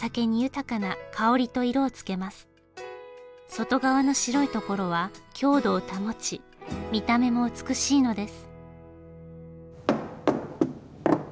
外側の白いところは強度を保ち見た目も美しいのです。